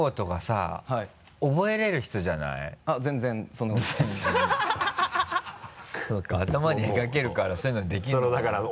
そうか頭に描けるからそういうのできるのかなって。